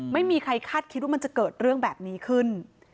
ไม่มีใครคาดคิดว่ามันจะเกิดเรื่องแบบนี้ขึ้น